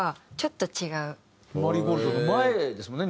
『マリーゴールド』の前ですもんね